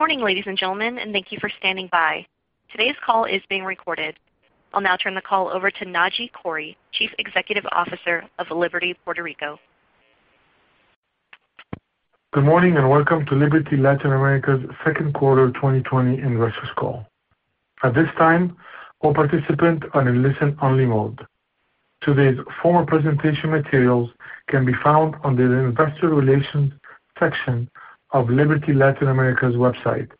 Morning, ladies and gentlemen, and thank you for standing by. Today's call is being recorded. I'll now turn the call over to Naji Khoury, Chief Executive Officer of Liberty Puerto Rico. Good morning, and welcome to Liberty Latin America's second quarter 2020 investors call. At this time, all participants are in listen only mode. Today's formal presentation materials can be found on the investor relations section of Liberty Latin America's website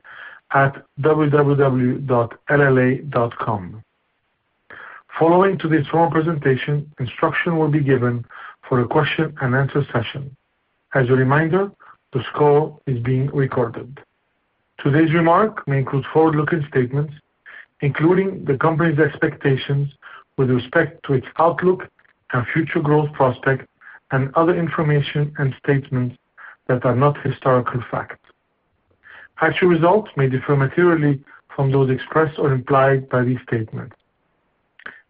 at www.lla.com. Following today's formal presentation, instruction will be given for a question and answer session. As a reminder, this call is being recorded. Today's remarks may include forward-looking statements, including the company's expectations with respect to its outlook and future growth prospects, and other information and statements that are not historical facts. Actual results may differ materially from those expressed or implied by these statements.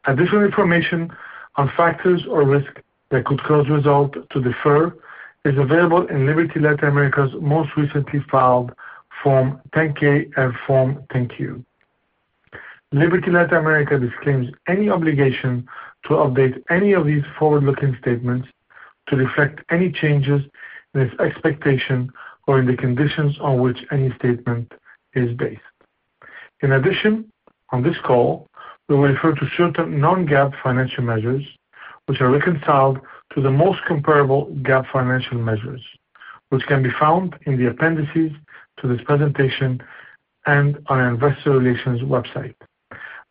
Additional information on factors or risks that could cause results to differ is available in Liberty Latin America's most recently filed Form 10-K and Form 10-Q. Liberty Latin America disclaims any obligation to update any of these forward-looking statements to reflect any changes in its expectations or in the conditions on which any statement is based. In addition, on this call, we refer to certain non-GAAP financial measures, which are reconciled to the most comparable GAAP financial measures, which can be found in the appendices to this presentation and on our investor relations website.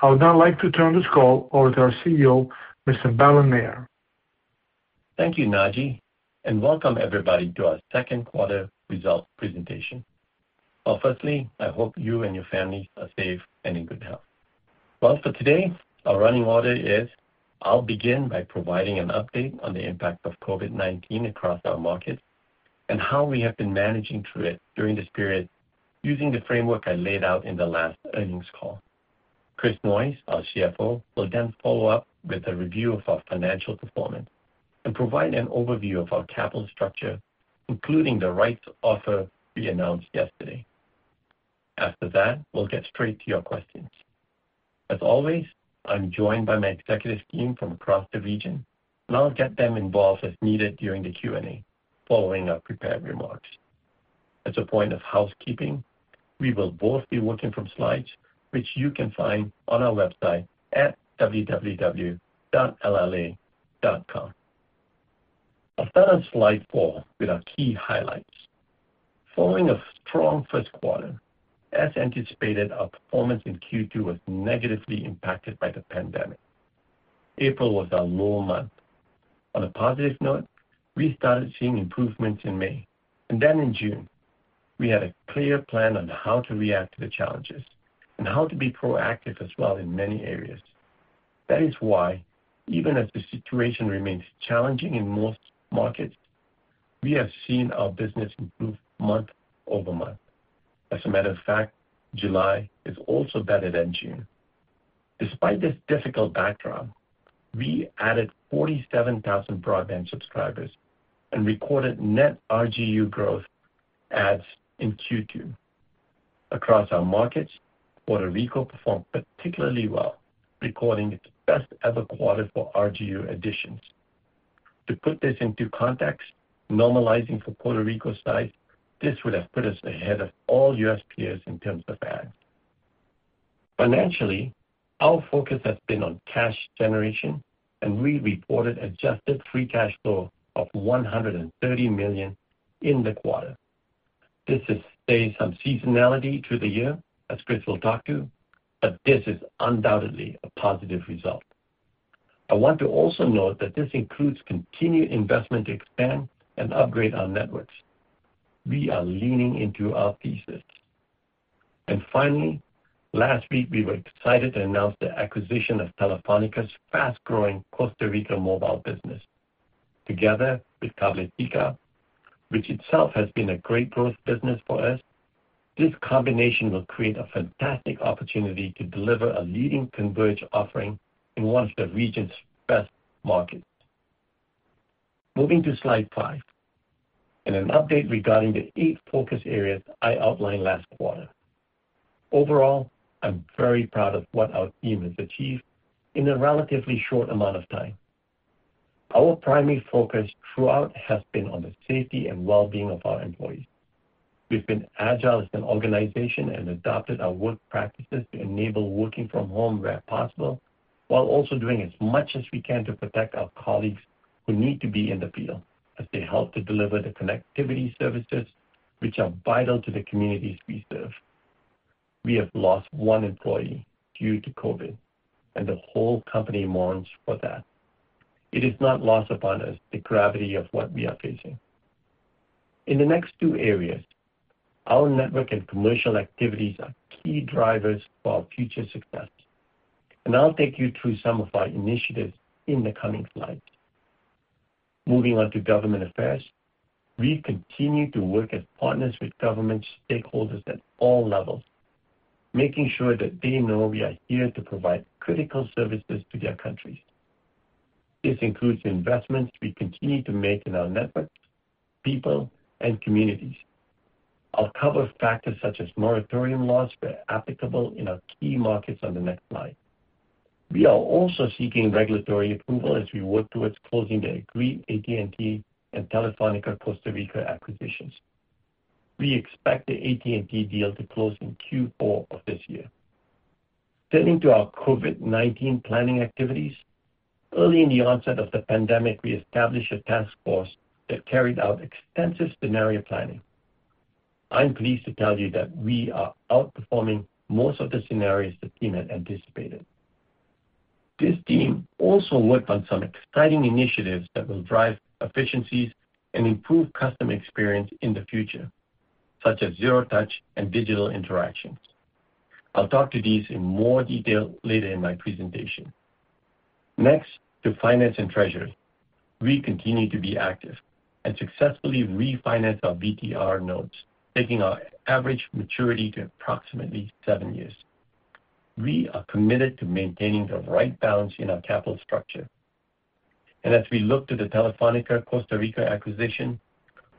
I would now like to turn this call over to our CEO, Mr. Balan Nair. Thank you, Naji, and welcome everybody to our second quarter results presentation. Well, firstly, I hope you and your family are safe and in good health. Well, for today, our running order is I'll begin by providing an update on the impact of COVID-19 across our markets and how we have been managing through it during this period using the framework I laid out in the last earnings call. Chris Noyes, our CFO, will then follow up with a review of our financial performance and provide an overview of our capital structure, including the rights offer we announced yesterday. After that, we'll get straight to your questions. As always, I'm joined by my executive team from across the region, and I'll get them involved as needed during the Q&A following our prepared remarks. As a point of housekeeping, we will both be working from slides, which you can find on our website at www.lla.com. I'll start on slide four with our key highlights. Following a strong first quarter, as anticipated, our performance in Q2 was negatively impacted by the pandemic. April was our low month. On a positive note, we started seeing improvements in May. Then in June, we had a clear plan on how to react to the challenges and how to be proactive as well in many areas. That is why, even as the situation remains challenging in most markets, we have seen our business improve month-over-month. As a matter of fact, July is also better than June. Despite this difficult backdrop, we added 47,000 broadband subscribers and recorded net RGU growth adds in Q2. Across our markets, Puerto Rico performed particularly well, recording its best ever quarter for RGU additions. To put this into context, normalizing for Puerto Rico size, this would have put us ahead of all U.S. peers in terms of adds. Financially, our focus has been on cash generation, and we reported adjusted free cash flow of $130 million in the quarter. This is subject some seasonality through the year, as Chris will talk to, but this is undoubtedly a positive result. I want to also note that this includes continued investment to expand and upgrade our networks. We are leaning into our thesis. Finally, last week, we were excited to announce the acquisition of Telefónica's fast-growing Costa Rica mobile business. Together with Cabletica, which itself has been a great growth business for us, this combination will create a fantastic opportunity to deliver a leading converged offering in one of the region's best markets. Moving to slide five and an update regarding the eight focus areas I outlined last quarter. Overall, I'm very proud of what our team has achieved in a relatively short amount of time. Our primary focus throughout has been on the safety and well-being of our employees. We've been agile as an organization and adapted our work practices to enable working from home where possible, while also doing as much as we can to protect our colleagues who need to be in the field as they help to deliver the connectivity services which are vital to the communities we serve. We have lost one employee due to COVID, and the whole company mourns for that. It is not lost upon us the gravity of what we are facing. In the next two areas, our network and commercial activities are key drivers for our future success. I'll take you through some of our initiatives in the coming slides. Moving on to government affairs. We continue to work as partners with government stakeholders at all levels, making sure that they know we are here to provide critical services to their countries. This includes investments we continue to make in our networks, people, and communities. I'll cover factors such as moratorium laws where applicable in our key markets on the next slide. We are also seeking regulatory approval as we work towards closing the agreed AT&T and Telefónica Costa Rica acquisitions. We expect the AT&T deal to close in Q4 of this year. Turning to our COVID-19 planning activities, early in the onset of the pandemic, we established a task force that carried out extensive scenario planning. I'm pleased to tell you that we are outperforming most of the scenarios the team had anticipated. This team also worked on some exciting initiatives that will drive efficiencies and improve customer experience in the future, such as zero touch and digital interactions. I'll talk to these in more detail later in my presentation. Next, to finance and treasury. We continue to be active and successfully refinance our VTR notes, taking our average maturity to approximately seven years. We are committed to maintaining the right balance in our capital structure. As we look to the Telefónica Costa Rica acquisition,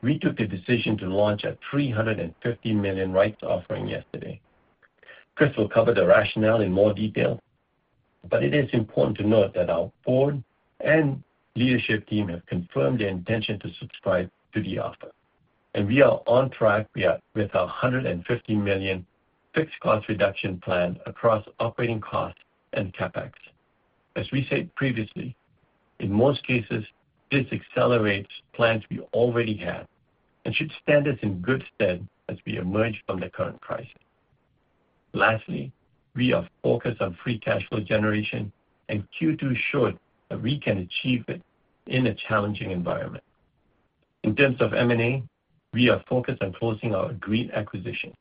we took the decision to launch a $350 million rights offering yesterday. Chris will cover the rationale in more detail. It is important to note that our board and leadership team have confirmed their intention to subscribe to the offer. We are on track with our $150 million fixed cost reduction plan across operating costs and CapEx. As we said previously, in most cases, this accelerates plans we already had and should stand us in good stead as we emerge from the current crisis. Lastly, we are focused on free cash flow generation. Q2 showed that we can achieve it in a challenging environment. In terms of M&A, we are focused on closing our agreed acquisitions.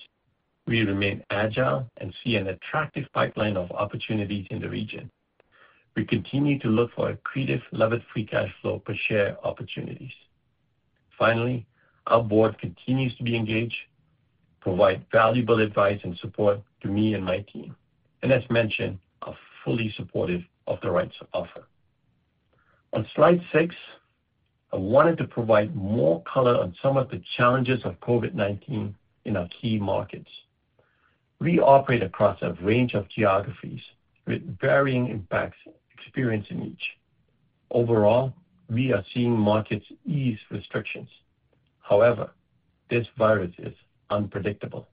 We remain agile and see an attractive pipeline of opportunities in the region. We continue to look for accretive, levered free cash flow per share opportunities. Our board continues to be engaged, provide valuable advice and support to me and my team, and as mentioned, are fully supportive of the rights offer. On slide six, I wanted to provide more color on some of the challenges of COVID-19 in our key markets. We operate across a range of geographies with varying impacts experienced in each. Overall, we are seeing markets ease restrictions. This virus is unpredictable.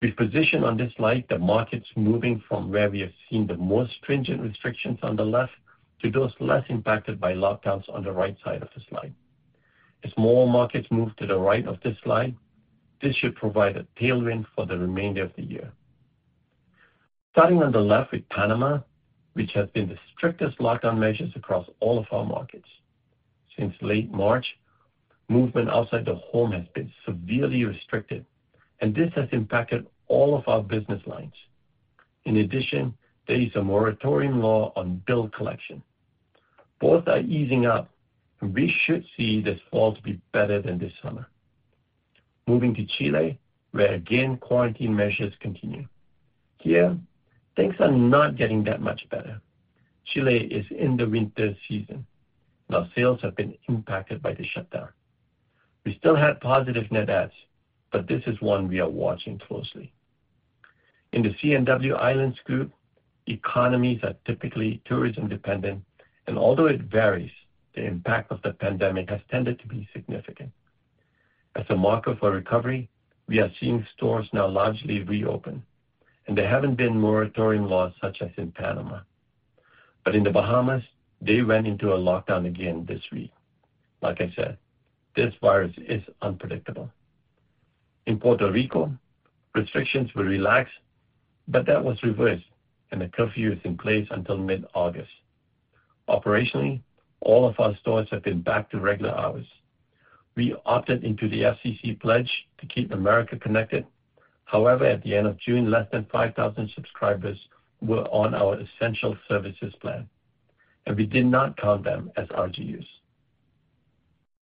We position on this slide the markets moving from where we have seen the most stringent restrictions on the left to those less impacted by lockdowns on the right side of the slide. As more markets move to the right of this slide, this should provide a tailwind for the remainder of the year. Starting on the left with Panama, which has been the strictest lockdown measures across all of our markets. Since late March, movement outside the home has been severely restricted, and this has impacted all of our business lines. In addition, there is a moratorium law on bill collection. Both are easing up, and we should see this fall to be better than this summer. Moving to Chile, where again, quarantine measures continue. Here, things are not getting that much better. Chile is in the winter season. Now, sales have been impacted by the shutdown. We still had positive net adds, but this is one we are watching closely. In the C&W Islands group, economies are typically tourism-dependent, and although it varies, the impact of the pandemic has tended to be significant. As a marker for recovery, we are seeing stores now largely reopen, and there haven't been moratorium laws such as in Panama. In the Bahamas, they went into a lockdown again this week. Like I said, this virus is unpredictable. In Puerto Rico, restrictions were relaxed, but that was reversed and a curfew is in place until mid-August. Operationally, all of our stores have been back to regular hours. We opted into the FCC pledge to keep America connected. However, at the end of June, less than 5,000 subscribers were on our essential services plan, and we did not count them as RGUs.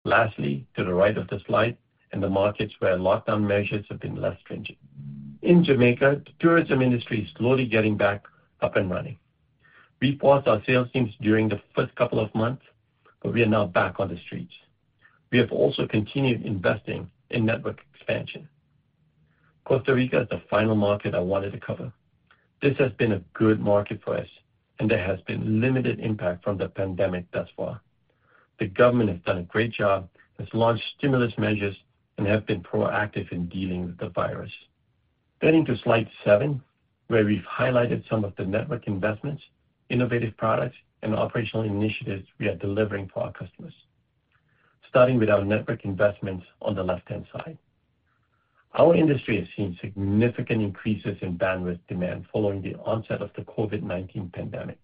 To the right of the slide in the markets where lockdown measures have been less stringent. In Jamaica, the tourism industry is slowly getting back up and running. We paused our sales teams during the first couple of months, but we are now back on the streets. We have also continued investing in network expansion. Costa Rica is the final market I wanted to cover. This has been a good market for us, and there has been limited impact from the pandemic thus far. The government has done a great job, has launched stimulus measures, and have been proactive in dealing with the virus. Turning to slide seven, where we've highlighted some of the network investments, innovative products, and operational initiatives we are delivering for our customers. Starting with our network investments on the left-hand side. Our industry has seen significant increases in bandwidth demand following the onset of the COVID-19 pandemic,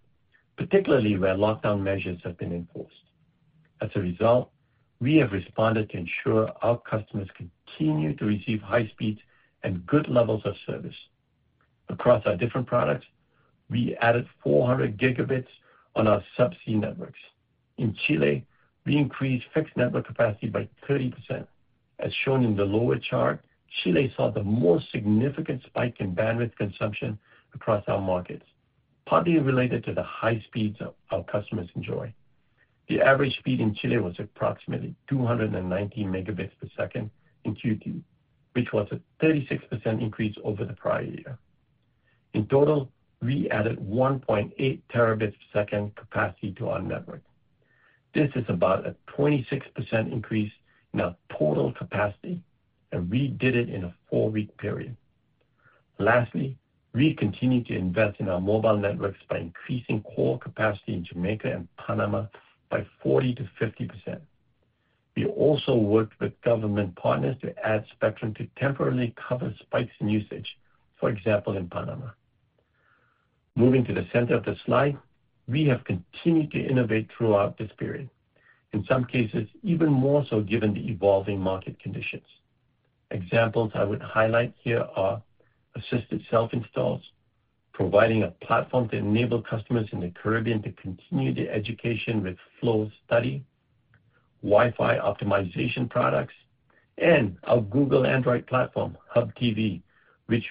particularly where lockdown measures have been enforced. As a result, we have responded to ensure our customers continue to receive high speed and good levels of service. Across our different products, we added 400 gigabits on our subsea networks. In Chile, we increased fixed network capacity by 30%. As shown in the lower chart, Chile saw the most significant spike in bandwidth consumption across our markets, partly related to the high speeds our customers enjoy. The average speed in Chile was approximately 290 megabits per second in Q2, which was a 36% increase over the prior year. In total, we added 1.8 terabits per second capacity to our network. This is about a 26% increase in our total capacity, and we did it in a four-week period. Lastly, we continued to invest in our mobile networks by increasing core capacity in Jamaica and Panama by 40% to 50%. We also worked with government partners to add spectrum to temporarily cover spikes in usage, for example, in Panama. Moving to the center of the slide, we have continued to innovate throughout this period, in some cases even more so given the evolving market conditions. Examples I would highlight here are assisted self-installs, providing a platform to enable customers in the Caribbean to continue their education with Flow Study, Wi-Fi optimization products, and our Google Android platform, Hub TV, which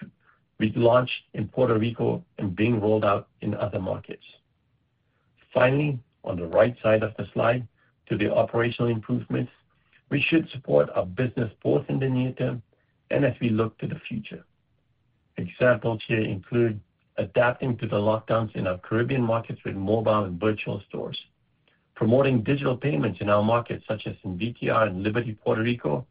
we launched in Puerto Rico and being rolled out in other markets. Finally, on the right side of the slide to the operational improvements, we should support our business both in the near term and as we look to the future. Examples here include adapting to the lockdowns in our Caribbean markets with mobile and virtual stores, promoting digital payments in our markets, such as in VTR and Liberty Puerto Rico,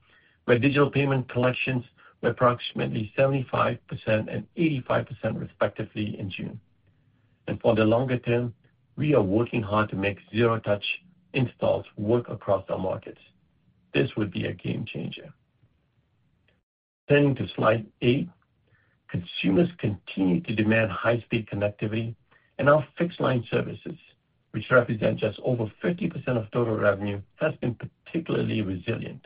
where digital payment collections were approximately 75% and 85% respectively in June. For the longer term, we are working hard to make zero touch installs work across our markets. This would be a game changer. Turning to slide eight, consumers continue to demand high-speed connectivity, our fixed-line services, which represent just over 50% of total revenue, has been particularly resilient.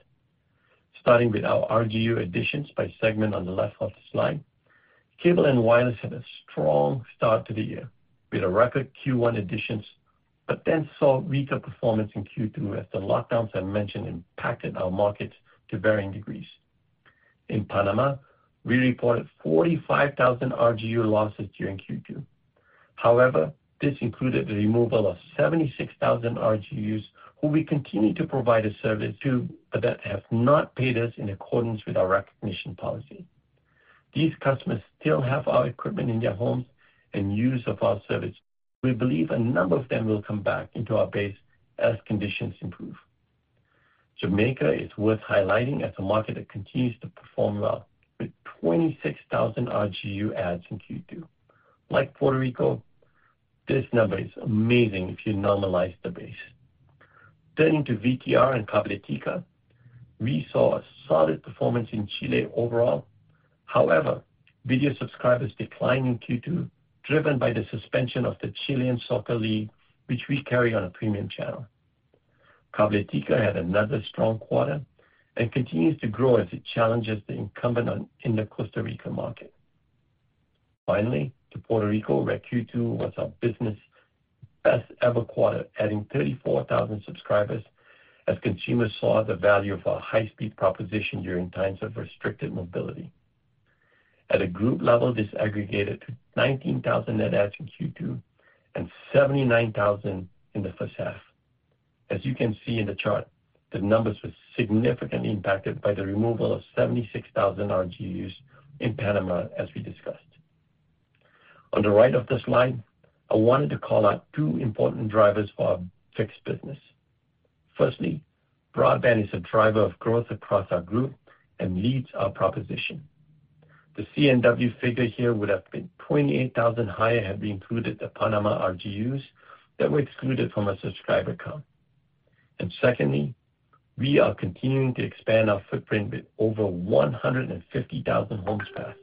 Starting with our RGU additions by segment on the left of the slide, Cable & Wireless had a strong start to the year with a record Q1 additions, but then saw weaker performance in Q2 as the lockdowns I mentioned impacted our markets to varying degrees. In Panama, we reported 45,000 RGU losses during Q2. However, this included the removal of 76,000 RGUs who we continue to provide a service to, but that have not paid us in accordance with our recognition policy. These customers still have our equipment in their homes and use of our service. We believe a number of them will come back into our base as conditions improve. Jamaica is worth highlighting as a market that continues to perform well with 26,000 RGU adds in Q2. Like Puerto Rico, this number is amazing if you normalize the base. Turning to VTR and Cabletica, we saw a solid performance in Chile overall. Video subscribers declined in Q2, driven by the suspension of the Chilean Soccer League, which we carry on a premium channel. Cabletica had another strong quarter and continues to grow as it challenges the incumbent in the Costa Rica market. To Puerto Rico, where Q2 was our business best ever quarter, adding 34,000 subscribers as consumers saw the value of our high-speed proposition during times of restricted mobility. At a group level, this aggregated to 19,000 net adds in Q2 and 79,000 in the first half. As you can see in the chart, the numbers were significantly impacted by the removal of 76,000 RGUs in Panama, as we discussed. On the right of the slide, I wanted to call out two important drivers for our fixed business. Firstly, broadband is a driver of growth across our group and leads our proposition. The C&W figure here would have been 28,000 higher had we included the Panama RGUs that were excluded from our subscriber count. Secondly, we are continuing to expand our footprint with over 150,000 homes passed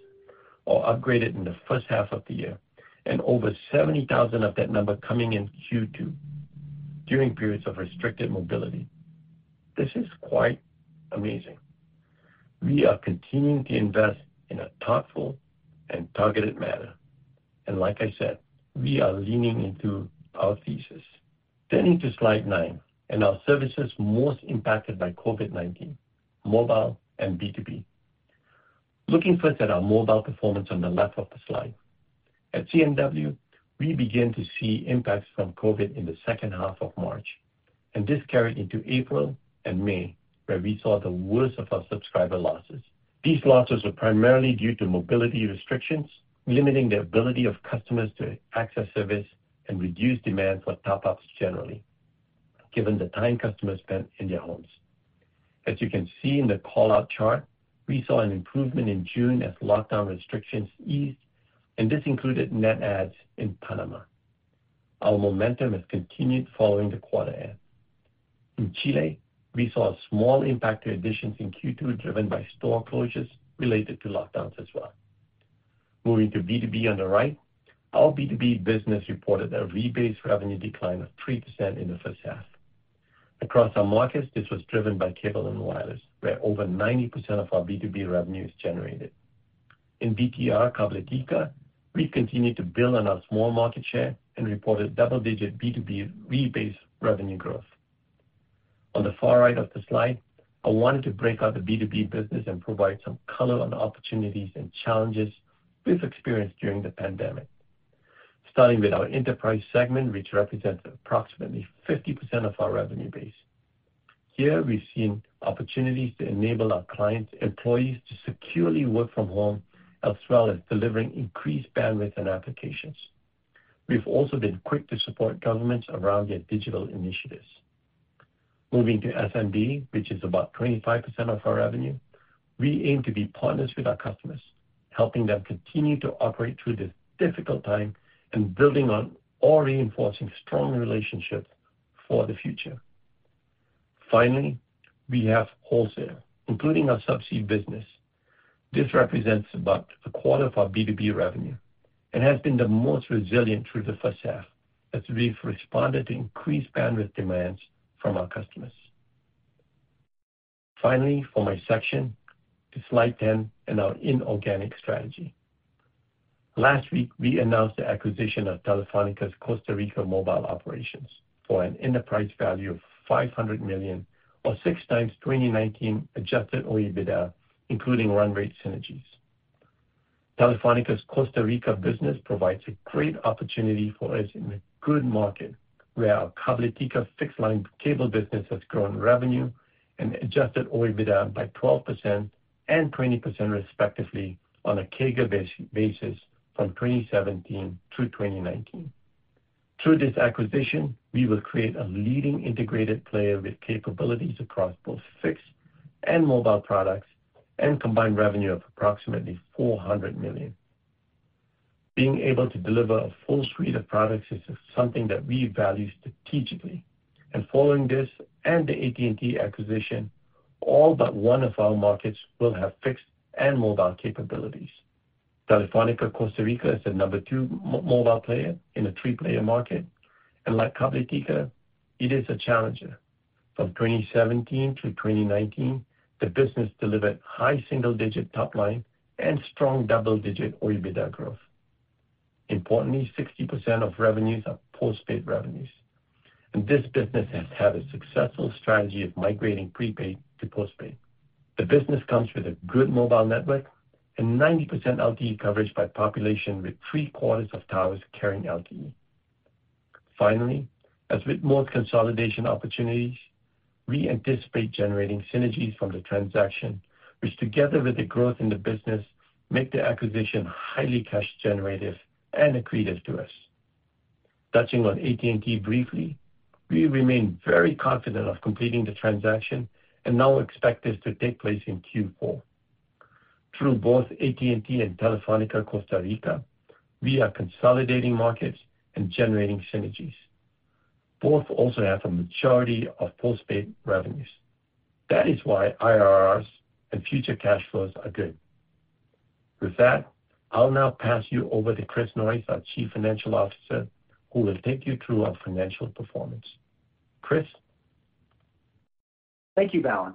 or upgraded in the first half of the year, and over 70,000 of that number coming in Q2 during periods of restricted mobility. This is quite amazing. We are continuing to invest in a thoughtful and targeted manner, and like I said, we are leaning into our thesis. Turning to slide nine and our services most impacted by COVID-19, mobile and B2B. Looking first at our mobile performance on the left of the slide. At C&W, we began to see impacts from COVID in the second half of March, and this carried into April and May, where we saw the worst of our subscriber losses. These losses were primarily due to mobility restrictions, limiting the ability of customers to access service and reduce demand for top-ups generally, given the time customers spent in their homes. As you can see in the call-out chart, we saw an improvement in June as lockdown restrictions eased, and this included net adds in Panama. Our momentum has continued following the quarter end. In Chile, we saw a small impact to additions in Q2, driven by store closures related to lockdowns as well. Moving to B2B on the right, our B2B business reported a rebased revenue decline of 3% in the first half. Across our markets, this was driven by C&W, where over 90% of our B2B revenue is generated. In VTR, Cabletica, we've continued to build on our small market share and reported double-digit B2B rebased revenue growth. On the far right of the slide, I wanted to break out the B2B business and provide some color on the opportunities and challenges we've experienced during the pandemic. Starting with our enterprise segment, which represents approximately 50% of our revenue base. Here, we've seen opportunities to enable our clients' employees to securely work from home, as well as delivering increased bandwidth and applications. We've also been quick to support governments around their digital initiatives. Moving to SMB, which is about 25% of our revenue, we aim to be partners with our customers, helping them continue to operate through this difficult time and building on or reinforcing strong relationships for the future. Finally, we have wholesale, including our subsea business. This represents about a quarter of our B2B revenue and has been the most resilient through the first half as we've responded to increased bandwidth demands from our customers. Finally, for my section, to slide 10 and our inorganic strategy. Last week, we announced the acquisition of Telefónica's Costa Rica mobile operations for an enterprise value of $500 million or 6x 2019 adjusted OIBDA, including run rate synergies. Telefónica's Costa Rica business provides a great opportunity for us in a good market where our Cabletica fixed line cable business has grown revenue and adjusted OIBDA by 12% and 20% respectively on a CAGR basis from 2017 to 2019. Through this acquisition, we will create a leading integrated player with capabilities across both fixed and mobile products and combined revenue of approximately $400 million. Following this and the AT&T acquisition, all but one of our markets will have fixed and mobile capabilities. Telefónica Costa Rica is the number two mobile player in a three-player market. Like Cabletica, it is a challenger. From 2017 to 2019, the business delivered high single-digit top line and strong double-digit OIBDA growth. Importantly, 60% of revenues are postpaid revenues, and this business has had a successful strategy of migrating prepaid to postpaid. The business comes with a good mobile network and 90% LTE coverage by population, with three-quarters of towers carrying LTE. As with most consolidation opportunities, we anticipate generating synergies from the transaction, which together with the growth in the business, make the acquisition highly cash generative and accretive to us. Touching on AT&T briefly, we remain very confident of completing the transaction and now expect this to take place in Q4. Through both AT&T and Telefónica Costa Rica, we are consolidating markets and generating synergies. Both also have a majority of postpaid revenues. That is why IRRs and future cash flows are good. With that, I'll now pass you over to Chris Noyes, our Chief Financial Officer, who will take you through our financial performance. Chris? Thank you, Balan.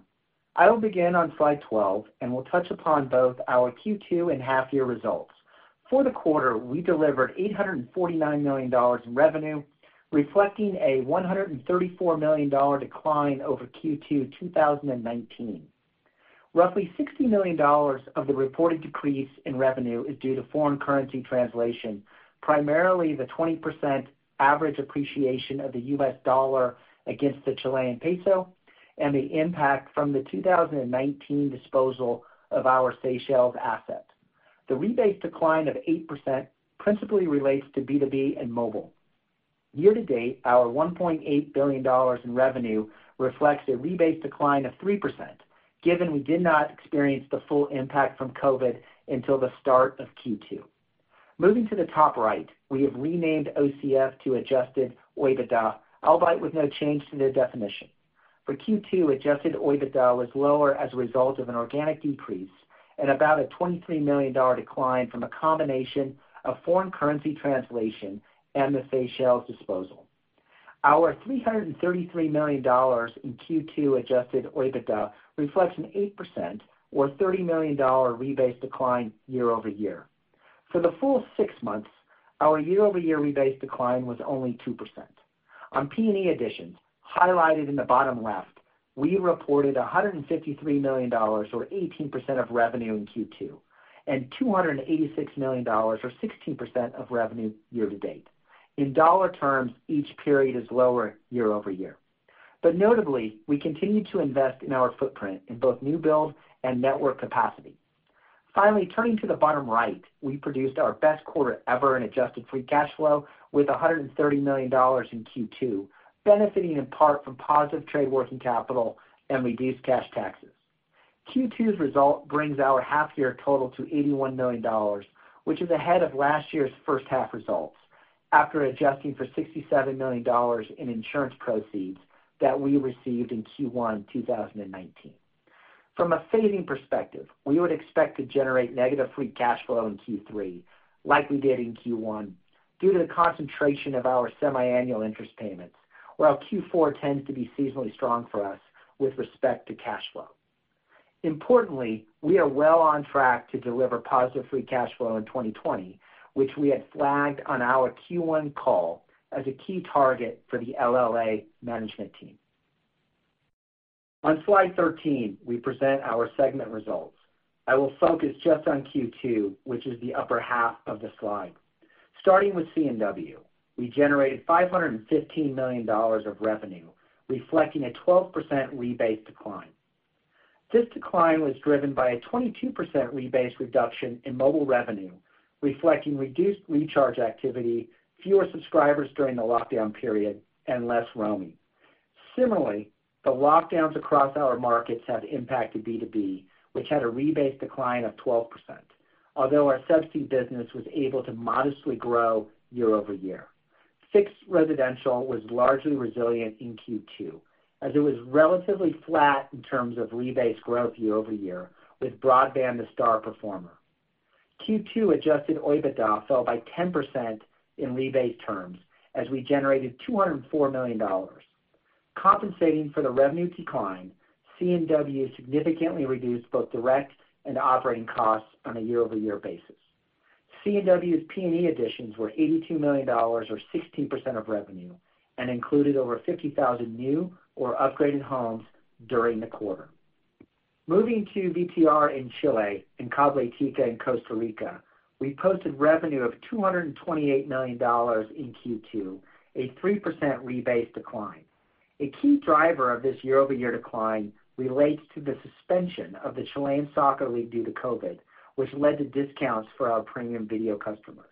I will begin on slide 12, and we'll touch upon both our Q2 and half-year results. For the quarter, we delivered $849 million in revenue, reflecting a $134 million decline over Q2 2019. Roughly $60 million of the reported decrease in revenue is due to foreign currency translation, primarily the 20% average appreciation of the US dollar against the Chilean peso and the impact from the 2019 disposal of our Seychelles asset. The rebased decline of 8% principally relates to B2B and mobile. Year to date, our $1.8 billion in revenue reflects a rebased decline of 3%, given we did not experience the full impact from COVID until the start of Q2. Moving to the top right, we have renamed OCF to adjusted OIBDA, albeit with no change to the definition. For Q2, adjusted OIBDA was lower as a result of an organic decrease and about a $23 million decline from a combination of foreign currency translation and the Seychelles disposal. Our $333 million in Q2 adjusted OIBDA reflects an 8% or $30 million rebased decline year-over-year. For the full six months, our year-over-year rebased decline was only 2%. On P&E additions, highlighted in the bottom left, we reported $153 million or 18% of revenue in Q2 and $286 million or 16% of revenue year-to-date. In dollar terms, each period is lower year-over-year. Notably, we continue to invest in our footprint in both new build and network capacity. Finally, turning to the bottom right, we produced our best quarter ever in adjusted free cash flow with $130 million in Q2, benefiting in part from positive trade working capital and reduced cash taxes. Q2's result brings our half year total to $81 million, which is ahead of last year's first half results after adjusting for $67 million in insurance proceeds that we received in Q1 2019. From a phasing perspective, we would expect to generate negative free cash flow in Q3, like we did in Q1, due to the concentration of our semiannual interest payments, while Q4 tends to be seasonally strong for us with respect to cash flow. Importantly, we are well on track to deliver positive free cash flow in 2020, which we had flagged on our Q1 call as a key target for the LLA management team. On slide 13, we present our segment results. I will focus just on Q2, which is the upper half of the slide. Starting with C&W, we generated $515 million of revenue, reflecting a 12% rebased decline. This decline was driven by a 22% rebased reduction in mobile revenue, reflecting reduced recharge activity, fewer subscribers during the lockdown period, and less roaming. Similarly, the lockdowns across our markets have impacted B2B, which had a rebased decline of 12%, although our Subsea business was able to modestly grow year-over-year. Fixed residential was largely resilient in Q2, as it was relatively flat in terms of rebased growth year-over-year, with broadband the star performer. Q2 adjusted OIBDA fell by 10% in rebased terms, as we generated $204 million. Compensating for the revenue decline, C&W significantly reduced both direct and operating costs on a year-over-year basis. C&W's P&E additions were $82 million, or 16% of revenue, and included over 50,000 new or upgraded homes during the quarter. Moving to VTR in Chile and Cabletica in Costa Rica, we posted revenue of $228 million in Q2, a 3% rebased decline. A key driver of this year-over-year decline relates to the suspension of the Chilean soccer league due to COVID, which led to discounts for our premium video customers.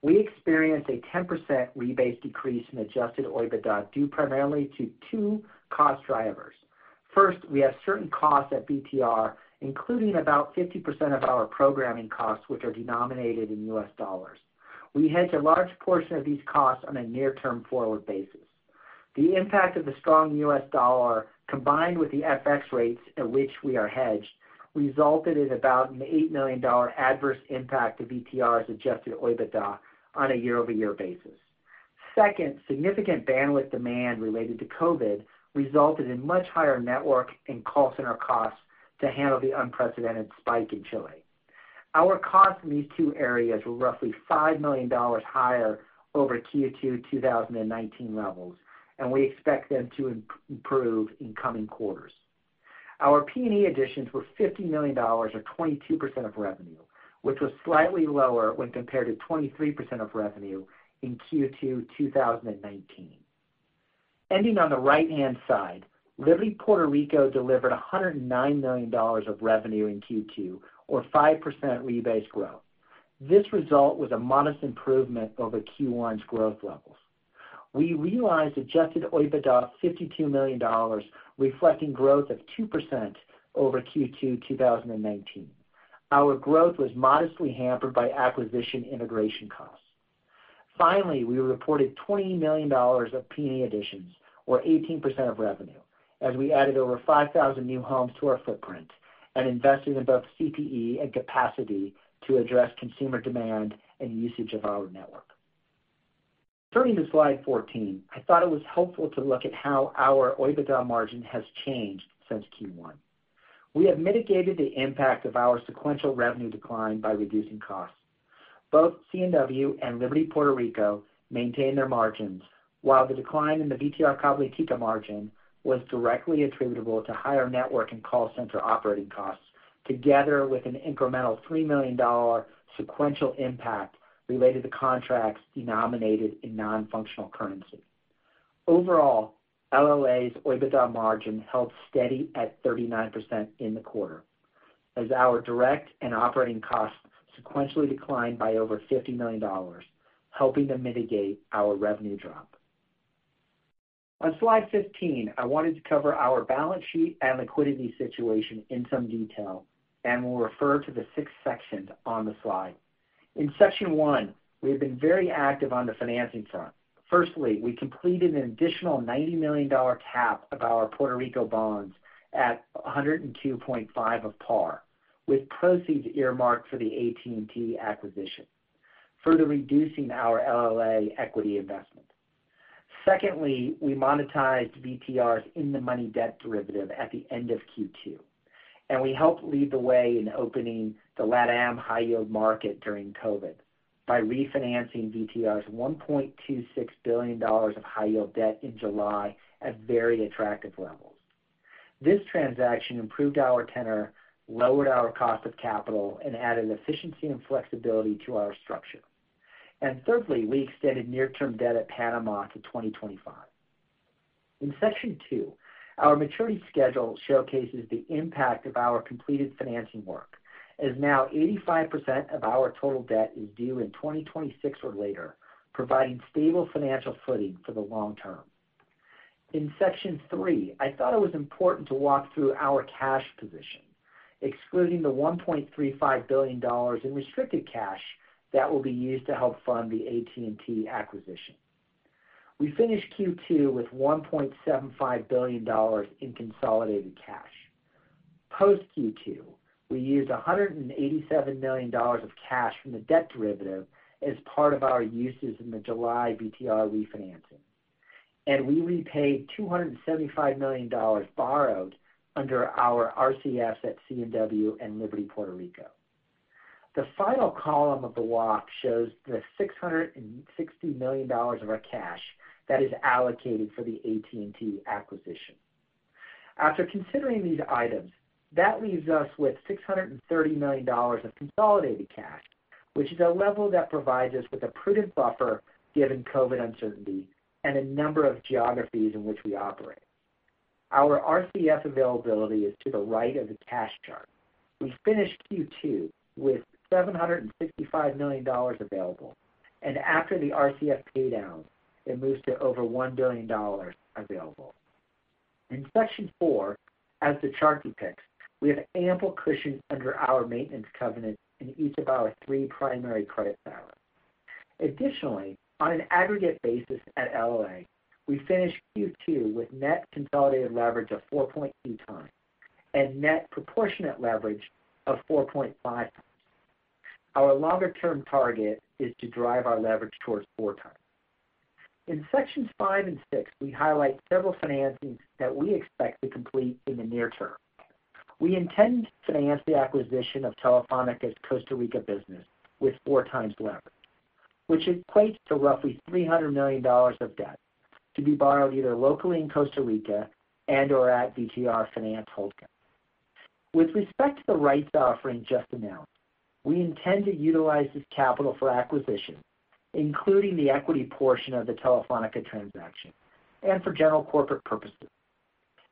We experienced a 10% rebased decrease in adjusted OIBDA due primarily to two cost drivers. First, we have certain costs at VTR, including about 50% of our programming costs, which are denominated in US dollars. We hedge a large portion of these costs on a near term forward basis. The impact of the strong US dollar, combined with the FX rates at which we are hedged, resulted in about an $8 million adverse impact to VTR's adjusted OIBDA on a year-over-year basis. Second, significant bandwidth demand related to COVID resulted in much higher network and call center costs to handle the unprecedented spike in Chile. Our costs in these two areas were roughly $5 million higher over Q2 2019 levels, and we expect them to improve in coming quarters. Our P&E additions were $50 million, or 22% of revenue, which was slightly lower when compared to 23% of revenue in Q2 2019. Ending on the right-hand side, Liberty Puerto Rico delivered $109 million of revenue in Q2, or 5% rebased growth. This result was a modest improvement over Q1's growth levels. We realized adjusted OIBDA of $52 million, reflecting growth of 2% over Q2 2019. Our growth was modestly hampered by acquisition integration costs. We reported $20 million of P&E additions, or 18% of revenue, as we added over 5,000 new homes to our footprint and invested in both CPE and capacity to address consumer demand and usage of our network. Turning to slide 14, I thought it was helpful to look at how our OIBDA margin has changed since Q1. We have mitigated the impact of our sequential revenue decline by reducing costs. Both C&W and Liberty Puerto Rico maintained their margins, while the decline in the VTR Cabletica margin was directly attributable to higher network and call center operating costs, together with an incremental $3 million sequential impact related to contracts denominated in non-functional currency. LLA's OIBDA margin held steady at 39% in the quarter as our direct and operating costs sequentially declined by over $50 million, helping to mitigate our revenue drop. On slide 15, I wanted to cover our balance sheet and liquidity situation in some detail, and we'll refer to the six sections on the slide. In section one, we have been very active on the financing front. Firstly, we completed an additional $90 million tap of our Puerto Rico bonds at 102.5 of par, with proceeds earmarked for the AT&T acquisition, further reducing our LLA equity investment. Secondly, we monetized VTR's in-the-money debt derivative at the end of Q2, and we helped lead the way in opening the LatAm high yield market during COVID by refinancing VTR's $1.26 billion of high yield debt in July at very attractive levels. This transaction improved our tenor, lowered our cost of capital, and added efficiency and flexibility to our structure. Thirdly, we extended near-term debt at Panama to 2025. In section two, our maturity schedule showcases the impact of our completed financing work, as now 85% of our total debt is due in 2026 or later, providing stable financial footing for the long term. In section three, I thought it was important to walk through our cash position, excluding the $1.35 billion in restricted cash that will be used to help fund the AT&T acquisition. We finished Q2 with $1.75 billion in consolidated cash. Post Q2, we used $187 million of cash from the debt derivative as part of our uses in the July VTR refinancing. We repaid $275 million borrowed under our RCFs at C&W and Liberty Puerto Rico. The final column of the walk shows the $660 million of our cash that is allocated for the AT&T acquisition. After considering these items, that leaves us with $630 million of consolidated cash, which is a level that provides us with a prudent buffer given COVID-19 uncertainty and a number of geographies in which we operate. Our RCF availability is to the right of the cash chart. We finished Q2 with $765 million available, and after the RCF pay down, it moves to over $1 billion available. In section four, as the chart depicts, we have ample cushion under our maintenance covenant in each of our three primary credit silos. On an aggregate basis at LLA, we finished Q2 with net consolidated leverage of 4.2 times and net proportionate leverage of 4.5 times. Our longer-term target is to drive our leverage towards four times. In sections five and six, we highlight several financings that we expect to complete in the near term. We intend to finance the acquisition of Telefónica Costa Rica business with four times leverage, which equates to roughly $300 million of debt to be borrowed either locally in Costa Rica and/or at VTR Finance N.V. With respect to the rights offering just announced, we intend to utilize this capital for acquisition, including the equity portion of the Telefónica transaction and for general corporate purposes.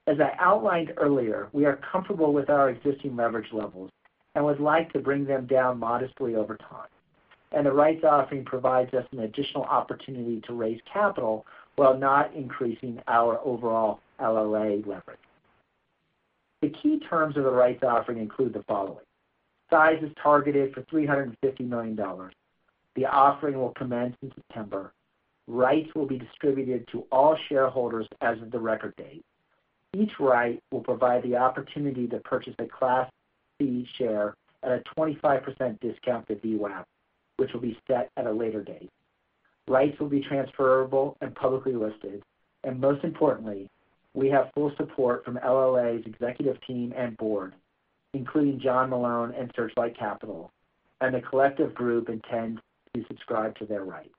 As I outlined earlier, we are comfortable with our existing leverage levels and would like to bring them down modestly over time. The rights offering provides us an additional opportunity to raise capital while not increasing our overall LLA leverage. The key terms of the rights offering include the following. Size is targeted for $350 million. The offering will commence in September. Rights will be distributed to all shareholders as of the record date. Each right will provide the opportunity to purchase a Class C share at a 25% discount to VWAP, which will be set at a later date. Rights will be transferable and publicly listed. Most importantly, we have full support from LLA's executive team and board, including John Malone and Searchlight Capital. The collective group intend to subscribe to their right.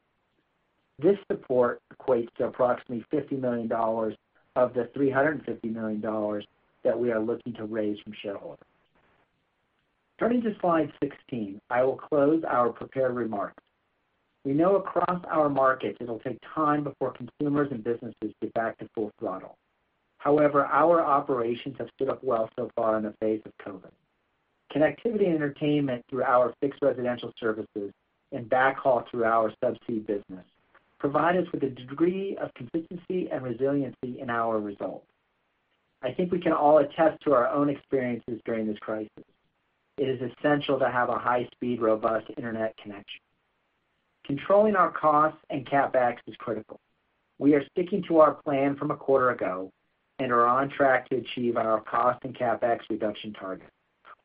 This support equates to approximately $50 million of the $350 million that we are looking to raise from shareholders. Turning to slide 16, I will close our prepared remarks. We know across our markets it'll take time before consumers and businesses get back to full throttle. However, our operations have stood up well so far in the face of COVID. Connectivity and entertainment through our fixed residential services. Backhaul through our Subsea business provide us with a degree of consistency and resiliency in our results. I think we can all attest to our own experiences during this crisis. It is essential to have a high-speed, robust internet connection. Controlling our costs and CapEx is critical. We are sticking to our plan from a quarter ago and are on track to achieve our cost and CapEx reduction targets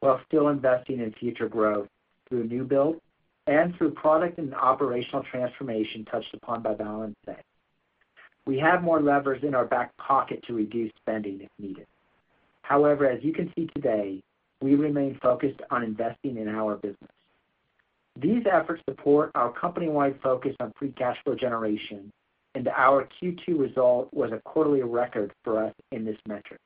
while still investing in future growth through new build and through product and operational transformation touched upon by Balan today. As you can see today, we remain focused on investing in our business. These efforts support our company-wide focus on free cash flow generation, and our Q2 result was a quarterly record for us in this metric.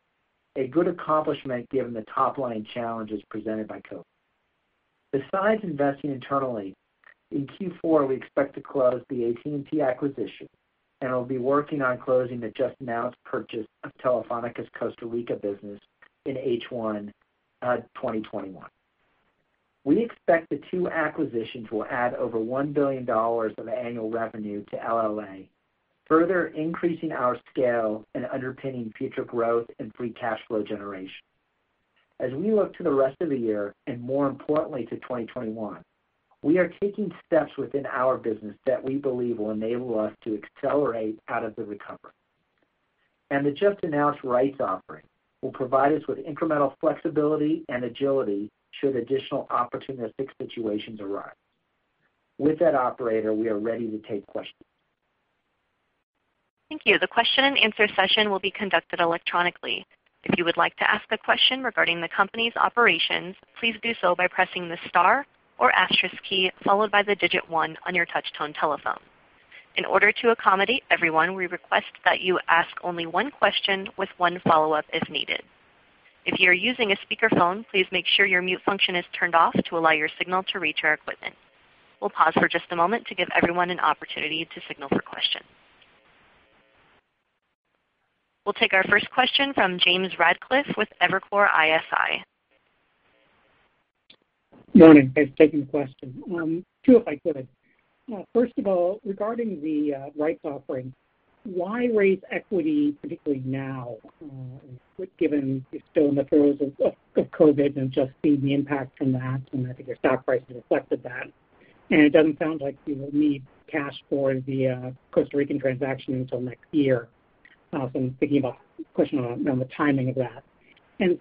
A good accomplishment given the top-line challenges presented by COVID-19. Besides investing internally, in Q4, we expect to close the AT&T acquisition and will be working on closing the just-announced purchase of Telefónica Costa Rica business in H1 2021. We expect the two acquisitions will add over $1 billion of annual revenue to LLA, further increasing our scale and underpinning future growth and free cash flow generation. As we look to the rest of the year, and more importantly, to 2021, we are taking steps within our business that we believe will enable us to accelerate out of the recovery. The just-announced rights offering will provide us with incremental flexibility and agility should additional opportunistic situations arise. With that, operator, we are ready to take questions. Thank you. The question and answer session will be conducted electronically. If you would like to ask a question regarding the company's operations, please do so by pressing the star or asterisk key, followed by the digit one on your touch-tone telephone. In order to accommodate everyone, we request that you ask only one question with one follow-up, if needed. If you are using a speakerphone, please make sure your mute function is turned off to allow your signal to reach our equipment. We'll pause for just a moment to give everyone an opportunity to signal for questions. We'll take our first question from James Ratcliffe with Evercore ISI. Morning. Thanks for taking the question. Two, if I could. First of all, regarding the rights offering, why raise equity particularly now, given we're still in the throes of COVID-19 and just seeing the impact from that, and I think your stock price has reflected that, and it doesn't sound like you will need cash for the Costa Rican transaction until next year? I'm thinking about pushing on the timing of that.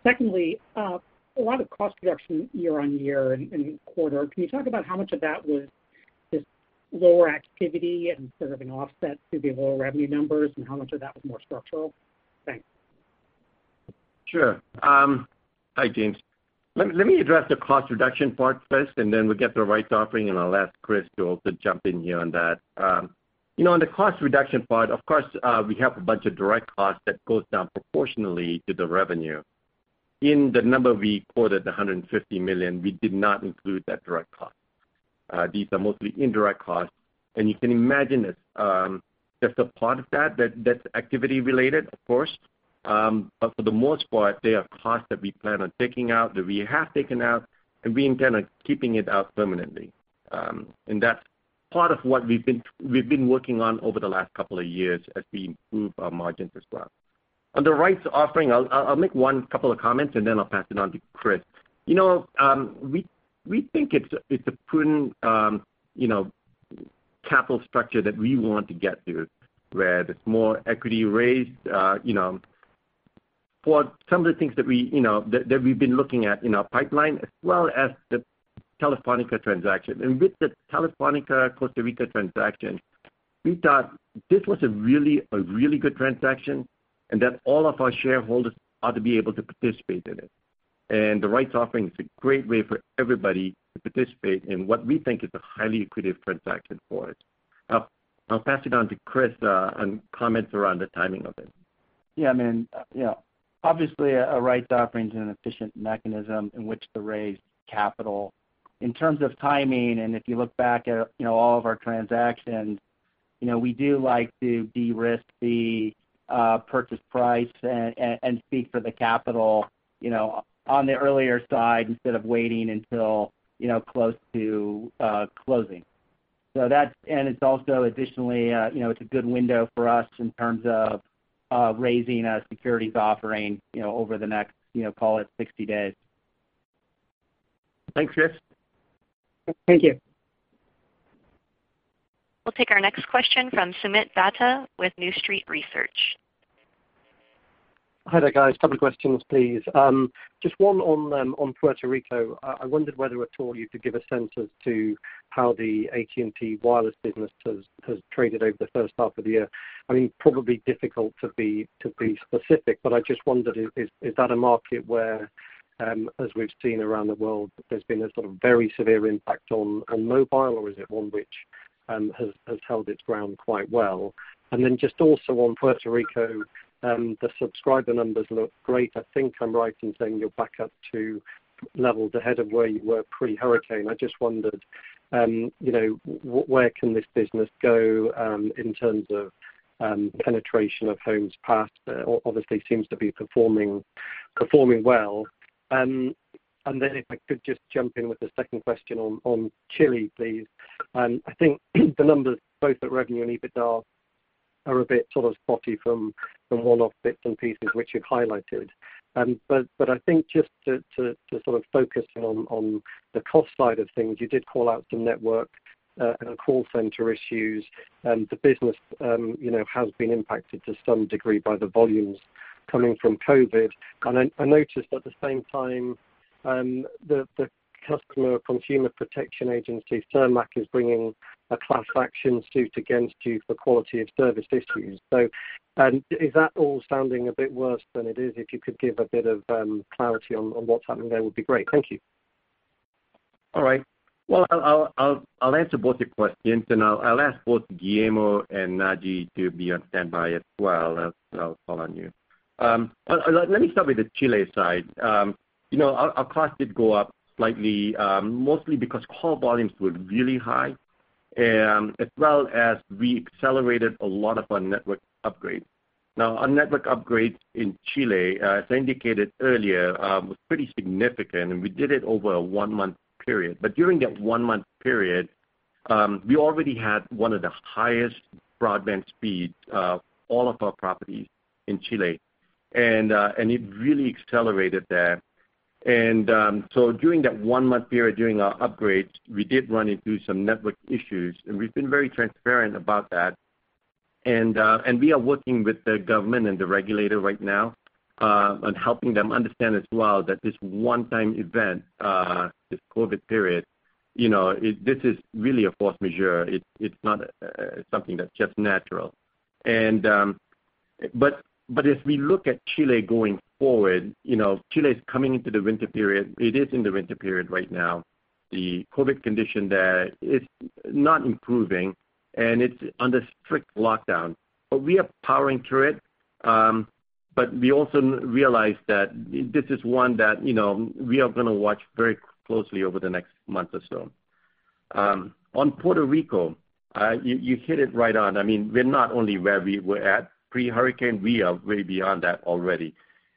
Secondly, a lot of cost reduction year-over-year and quarter. Can you talk about how much of that was just lower activity and sort of an offset to the lower revenue numbers, and how much of that was more structural? Thanks. Sure. Hi, James. Let me address the cost reduction part first, and then we'll get to rights offering, and I'll ask Chris to also jump in here on that. On the cost reduction part, of course, we have a bunch of direct costs that goes down proportionally to the revenue. In the number we quoted, $150 million, we did not include that direct cost. These are mostly indirect costs, and you can imagine that a part of that's activity related, of course. For the most part, they are costs that we plan on taking out, that we have taken out, and we intend on keeping it out permanently. That's part of what we've been working on over the last couple of years as we improve our margins as well. On the rights offering, I'll make one couple of comments, and then I'll pass it on to Chris. We think it's a prudent capital structure that we want to get to, where there's more equity raised for some of the things that we've been looking at in our pipeline, as well as the Telefónica transaction. With the Telefónica Costa Rica transaction, we thought this was a really good transaction and that all of our shareholders ought to be able to participate in it. The rights offering is a great way for everybody to participate in what we think is a highly accretive transaction for us. I'll pass it on to Chris on comments around the timing of it. Yeah. Obviously, a rights offering is an efficient mechanism in which to raise capital. In terms of timing, if you look back at all of our transactions, we do like to de-risk the purchase price and speak for the capital on the earlier side instead of waiting until close to closing. It is also additionally a good window for us in terms of raising a securities offering over the next, call it 60 days. Thanks, Chris. Thank you. We'll take our next question from Soomit Datta with New Street Research. Hi there, guys. Couple questions, please. Just one on Puerto Rico. I wondered whether at all you could give a sense as to how the AT&T wireless business has traded over the first half of the year. Probably difficult to be specific, but I just wondered, is that a market where, as we've seen around the world, there's been a sort of very severe impact on mobile, or is it one which has held its ground quite well? Just also on Puerto Rico, the subscriber numbers look great. I think I'm right in saying you're back up to levels ahead of where you were pre-hurricane. I just wondered, where can this business go in terms of penetration of homes passed? Obviously seems to be performing well. If I could just jump in with a second question on Chile, please. I think the numbers, both at revenue and EBITDA, are a bit sort of spotty from the one-off bits and pieces which you've highlighted. I think just to sort of focus in on the cost side of things, you did call out some network and call center issues, and the business has been impacted to some degree by the volumes coming from COVID. I noticed at the same time, the customer consumer protection agency, SERNAC, is bringing a class action suit against you for quality of service issues. Is that all sounding a bit worse than it is? If you could give a bit of clarity on what's happening there, would be great. Thank you. All right. Well, I'll answer both your questions, and I'll ask both Guillermo and Naji to be on standby as well, and I'll call on you. Let me start with the Chile side. Our costs did go up slightly, mostly because call volumes were really high, as well as we accelerated a lot of our network upgrades. Now, our network upgrades in Chile, as I indicated earlier, was pretty significant, and we did it over a one-month period. During that one-month period, we already had one of the highest broadband speeds of all of our properties in Chile, and it really accelerated there. During that one-month period during our upgrades, we did run into some network issues, and we've been very transparent about that. We are working with the government and the regulator right now on helping them understand as well that this one-time event, this COVID period, this is really a force majeure. It's not something that's just natural. As we look at Chile going forward, Chile is coming into the winter period. It is in the winter period right now. The COVID condition there is not improving, and it's under strict lockdown. We are powering through it. We also realize that this is one that we are going to watch very closely over the next month or so. On Puerto Rico, you hit it right on. We're not only where we were at pre-hurricane, we are way beyond that already.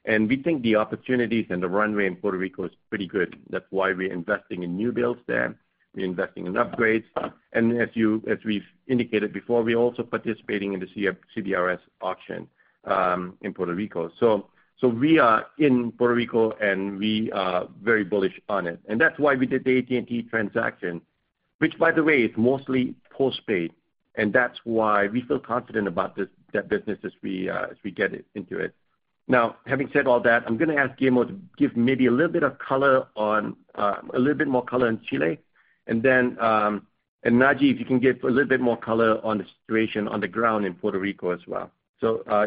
We think the opportunities and the runway in Puerto Rico is pretty good. That's why we're investing in new builds there. We're investing in upgrades. As we've indicated before, we're also participating in the CBRS auction in Puerto Rico. We are in Puerto Rico, and we are very bullish on it. That's why we did the AT&T transaction, which, by the way, is mostly postpaid, and that's why we feel confident about that business as we get into it. Having said all that, I'm going to ask Guillermo to give maybe a little bit more color on Chile, and then, Naji, if you can give a little bit more color on the situation on the ground in Puerto Rico as well.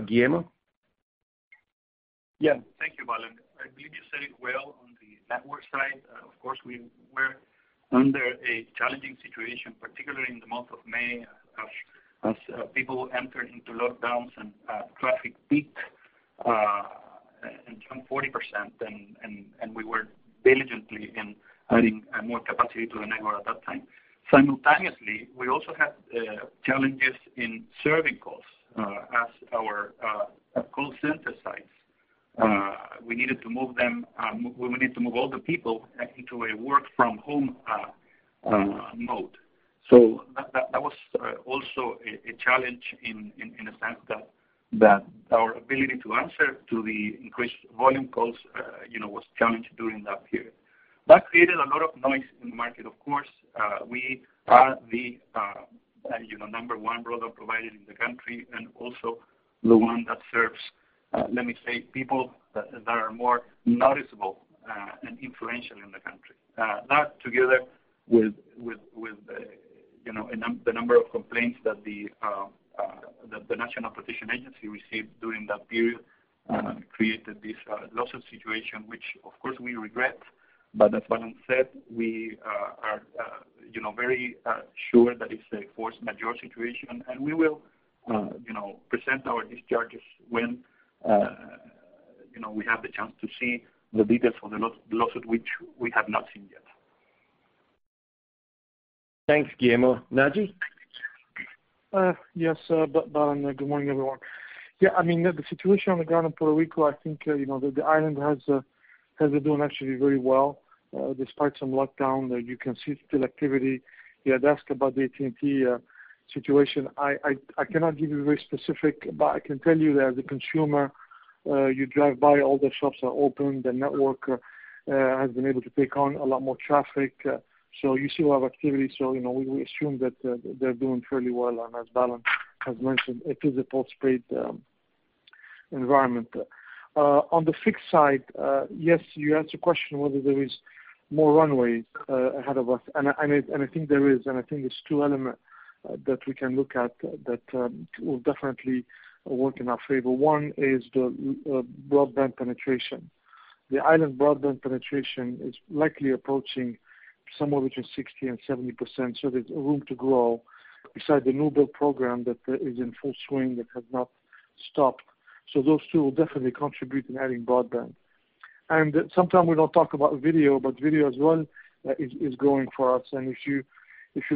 Guillermo? Thank you, Balan. You just said it well on the network side. Of course, we were under a challenging situation, particularly in the month of May, as people entered into lockdowns and traffic peaked and jumped 40%, and we were diligently in adding more capacity to the network at that time. Simultaneously, we also had challenges in serving calls as our call center sites. We needed to move all the people into a work-from-home mode. That was also a challenge in a sense that our ability to answer to the increased volume calls was challenged during that period. That created a lot of noise in the market, of course. We are the number one broadband provider in the country and also the one that serves, let me say, people that are more noticeable and influential in the country. That, together with the number of complaints that the Fiscalía Nacional Económica received during that period, created this lawsuit situation, which, of course, we regret. As Balan said, we are very sure that it's a force majeure situation, and we will present our discharges when we have the chance to see the details for the lawsuit, which we have not seen yet Thanks, Guillermo. Naji? Yes, Balan. Good morning, everyone. The situation on the ground in Puerto Rico, I think, the island has been doing actually very well. Despite some lockdown, you can see still activity. You had asked about the AT&T situation. I cannot give you very specific. I can tell you that the consumer, you drive by, all the shops are open. The network has been able to take on a lot more traffic. You still have activity. We assume that they're doing fairly well. As Balan has mentioned, it is a postpaid environment. On the fixed side, yes, you asked a question whether there is more runway ahead of us. I think there is. I think there's two elements that we can look at that will definitely work in our favor. One is the broadband penetration. The island broadband penetration is likely approaching somewhere between 60% and 70%. There's room to grow. Besides the new build program that is in full swing, that has not stopped. Those two will definitely contribute in adding broadband. Sometimes we don't talk about video, but video as well is growing for us. If you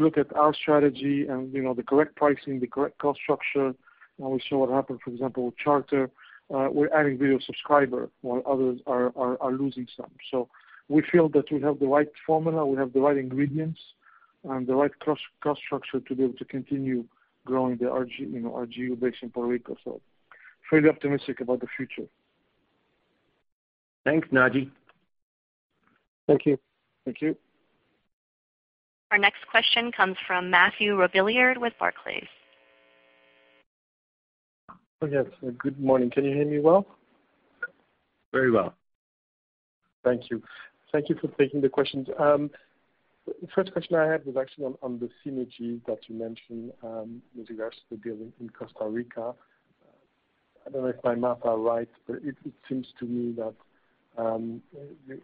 look at our strategy and the correct pricing, the correct cost structure, we saw what happened, for example, with Charter. We're adding video subscribers while others are losing some. We feel that we have the right formula, we have the right ingredients, and the right cost structure to be able to continue growing the RGU base in Puerto Rico. Fairly optimistic about the future. Thanks, Naji. Thank you. Thank you. Our next question comes from Mathieu Robilliard with Barclays. Yes. Good morning. Can you hear me well? Very well. Thank you. Thank you for taking the questions. First question I had was actually on the synergy that you mentioned with regards to the deal in Costa Rica. I don't know if my math are right, but it seems to me that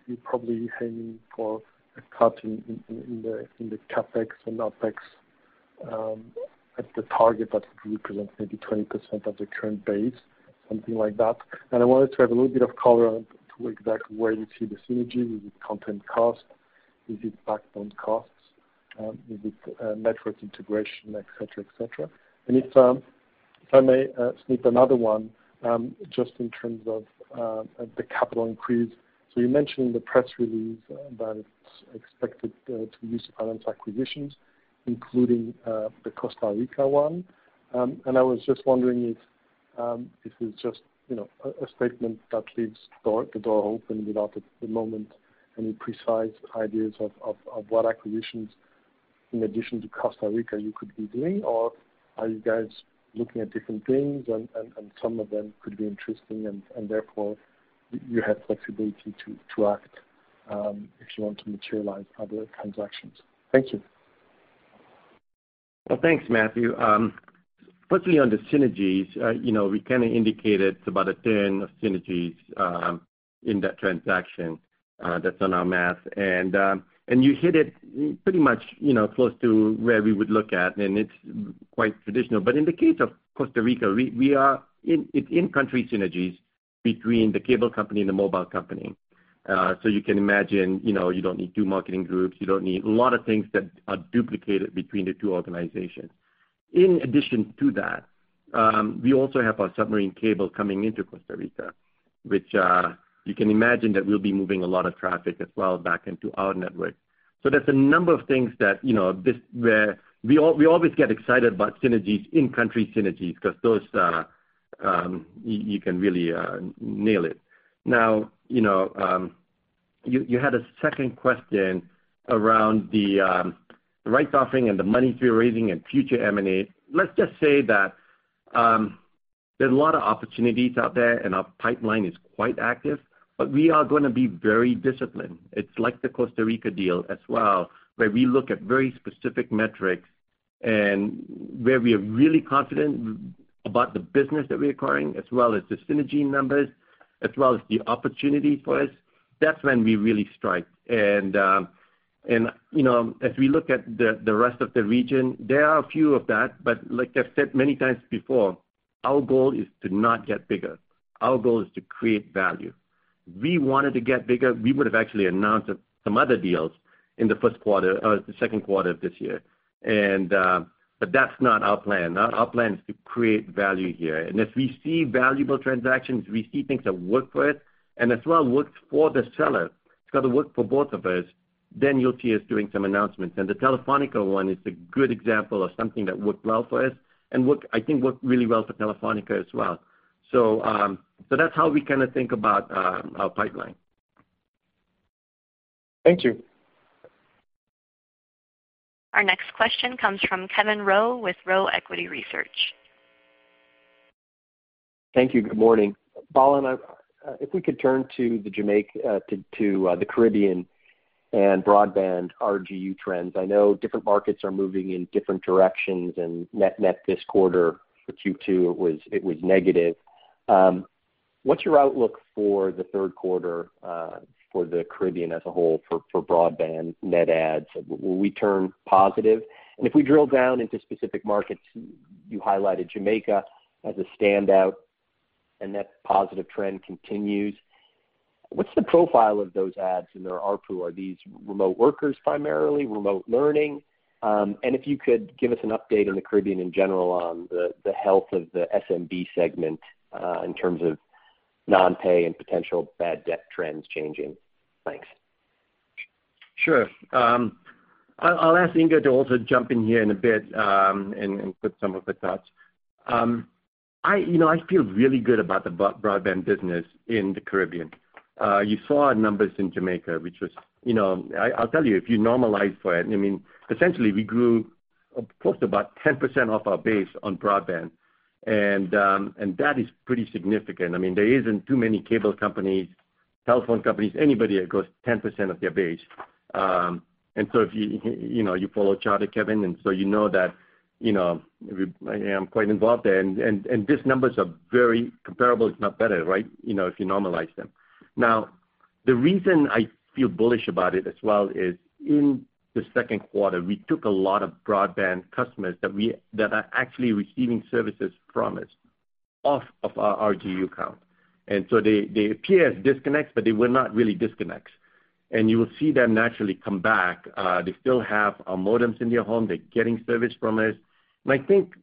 you're probably aiming for a cut in the CapEx and OpEx at the target that would represent maybe 20% of the current base, something like that. I wanted to have a little bit of color on exactly where you see the synergy. Is it content cost? Is it backbone costs? Is it network integration, et cetera? If I may sneak another one, just in terms of the capital increase. You mentioned in the press release that it's expected to use finance acquisitions, including the Costa Rica one. I was just wondering if it's just a statement that leaves the door open without, at the moment, any precise ideas of what acquisitions, in addition to Costa Rica, you could be doing? Are you guys looking at different things, and some of them could be interesting, and therefore you have flexibility to act if you want to materialize other transactions? Thank you. Well, thanks, Mathieu. Firstly, on the synergies, we indicated it's about a ton of synergies in that transaction. That's on our math. You hit it pretty much close to where we would look at, and it's quite traditional. In the case of Costa Rica, it's in-country synergies between the cable company and the mobile company. You can imagine, you don't need two marketing groups. You don't need a lot of things that are duplicated between the two organizations. In addition to that, we also have our submarine cable coming into Costa Rica, which you can imagine that we'll be moving a lot of traffic as well back into our network. There's a number of things that we always get excited about synergies, in-country synergies, because those are. You can really nail it. You had a second question around the rights offering and the money we're raising and future M&A. Let's just say that there's a lot of opportunities out there, and our pipeline is quite active, but we are going to be very disciplined. It's like the Costa Rica deal as well, where we look at very specific metrics and where we are really confident about the business that we're acquiring, as well as the synergy numbers, as well as the opportunity for us. That's when we really strike. As we look at the rest of the region, there are a few of that, but like I've said many times before, our goal is to not get bigger. Our goal is to create value. If we wanted to get bigger, we would've actually announced some other deals in the second quarter of this year. That's not our plan. Our plan is to create value here. If we see valuable transactions, we see things that work for us and as well works for the seller, it's got to work for both of us, then you'll see us doing some announcements. The Telefónica one is a good example of something that worked well for us and I think worked really well for Telefónica as well. That's how we think about our pipeline. Thank you. Our next question comes from Kevin Roe with Roe Equity Research. Thank you. Good morning. Balan, if we could turn to the Caribbean and broadband RGU trends. I know different markets are moving in different directions, and net this quarter for Q2, it was negative. What's your outlook for the third quarter for the Caribbean as a whole for broadband net adds? Will we turn positive? If we drill down into specific markets, you highlighted Jamaica as a standout, and that positive trend continues. What's the profile of those adds in their ARPU? Are these remote workers, primarily, remote learning? If you could give us an update on the Caribbean in general on the health of the SMB segment in terms of non-pay and potential bad debt trends changing. Thanks. Sure. I'll ask Inge to also jump in here in a bit and put some of her thoughts. I feel really good about the broadband business in the Caribbean. You saw our numbers in Jamaica. I'll tell you, if you normalize for it, essentially we grew close to about 10% off our base on broadband. That is pretty significant. There isn't too many cable companies, telephone companies, anybody that grows 10% of their base. If you follow Charter, Kevin, and so you know that I am quite involved there. These numbers are very comparable, if not better, if you normalize them. Now, the reason I feel bullish about it as well is in the second quarter, we took a lot of broadband customers that are actually receiving services from us off of our RGU count. They appear as disconnects, but they were not really disconnects. You will see them naturally come back. They still have our modems in their home. They're getting service from us. I think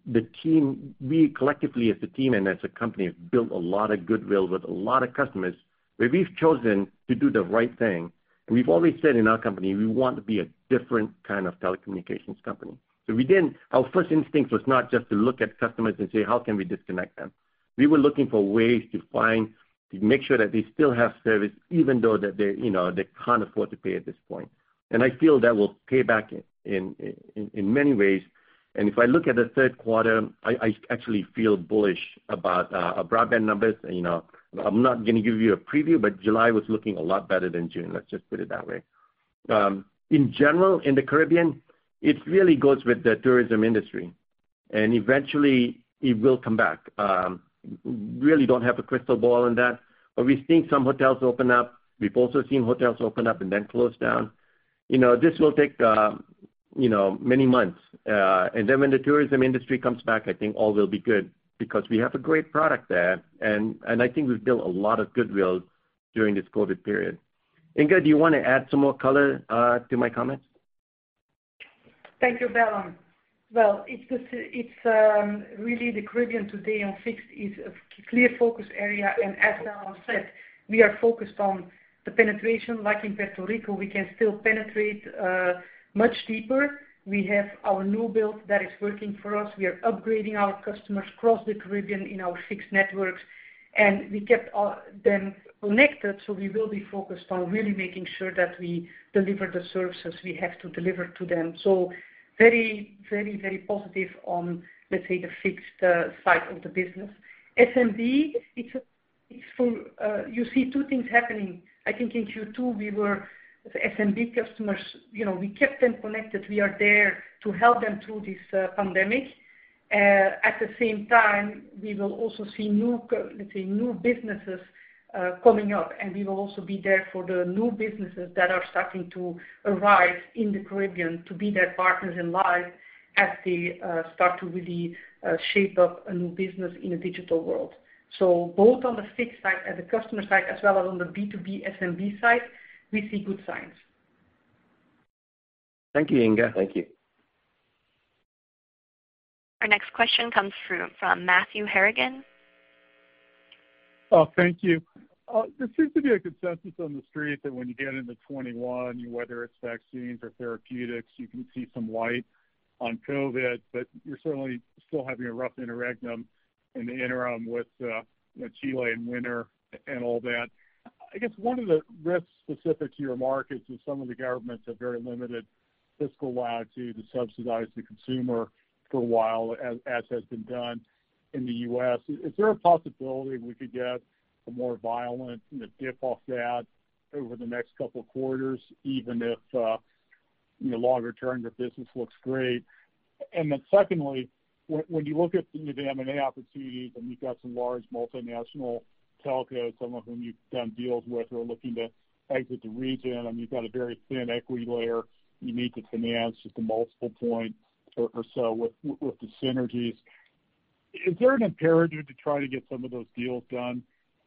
we collectively as a team and as a company have built a lot of goodwill with a lot of customers, where we've chosen to do the right thing. We've always said in our company, we want to be a different kind of telecommunications company. Our first instinct was not just to look at customers and say, "How can we disconnect them?" We were looking for ways to make sure that they still have service, even though they can't afford to pay at this point. I feel that will pay back in many ways. If I look at the third quarter, I actually feel bullish about our broadband numbers. I'm not going to give you a preview, but July was looking a lot better than June. Let's just put it that way. In general, in the Caribbean, it really goes with the tourism industry, and eventually it will come back. Really don't have a crystal ball on that, but we've seen some hotels open up. We've also seen hotels open up and then close down. This will take many months. And then when the tourism industry comes back, I think all will be good because we have a great product there, and I think we've built a lot of goodwill during this COVID period. Inge, do you want to add some more color to my comments? Thank you, Balan. Well, really, the Caribbean today on fixed is a clear focus area, and as Balan said, we are focused on the penetration. Like in Puerto Rico, we can still penetrate much deeper. We have our new build that is working for us. We are upgrading our customers across the Caribbean in our fixed networks, and we kept them connected, so we will be focused on really making sure that we deliver the services we have to deliver to them. Very, very positive on, let's say, the fixed side of the business. SMB, you see two things happening. I think in Q2, the SMB customers, we kept them connected. We are there to help them through this pandemic. At the same time, we will also see, let's say, new businesses coming up, and we will also be there for the new businesses that are starting to arrive in the Caribbean to be their partners in life as they start to really shape up a new business in a digital world. Both on the fixed side and the customer side, as well as on the B2B SMB side, we see good signs. Thank you, Inge. Thank you. Our next question comes from Matthew Harrigan. Oh, thank you. There seems to be a consensus on the street that when you get into 2021, whether it's vaccines or therapeutics, you can see some light on COVID, but you're certainly still having a rough interregnum in the interim with Chile and winter and all that. I guess one of the risks specific to your markets is some of the governments have very limited fiscal latitude to subsidize the consumer for a while, as has been done in the U.S. Is there a possibility we could get a more violent dip off that over the next couple of quarters, even if longer term, the business looks great? Secondly, when you look at the M&A opportunities, and you've got some large multinational telcos, some of whom you've done deals with, who are looking to exit the region, and you've got a very thin equity layer you need to finance just a multiple point or so with the synergies. Is there an imperative to try to get some of those deals done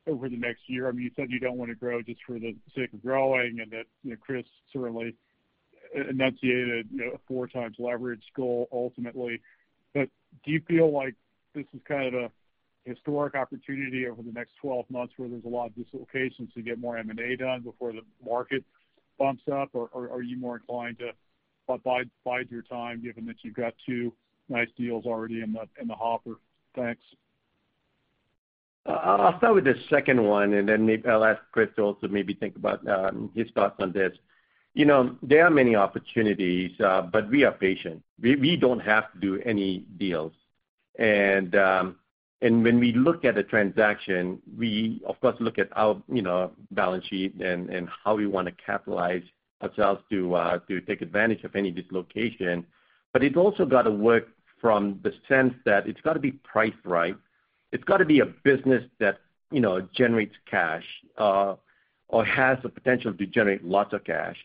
over the next year? You said you don't want to grow just for the sake of growing, and that Chris certainly enunciated a four times leverage goal ultimately. Do you feel like this is kind of a historic opportunity over the next 12 months where there's a lot of dislocations to get more M&A done before the market bumps up? Or are you more inclined to bide your time, given that you've got two nice deals already in the hopper? Thanks. I'll start with the second one, and then maybe I'll ask Chris also maybe think about his thoughts on this. There are many opportunities, but we are patient. We don't have to do any deals. When we look at a transaction, we of course, look at our balance sheet and how we want to capitalize ourselves to take advantage of any dislocation. It's also got to work from the sense that it's got to be priced right. It's got to be a business that generates cash, or has the potential to generate lots of cash.